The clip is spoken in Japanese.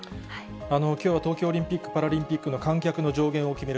きょうは東京オリンピック・パラリンピックの観客の上限を決める